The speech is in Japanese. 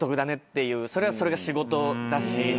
それはそれが仕事だし。